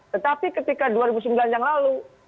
tetapi ketika dua ribu sembilan yang lalu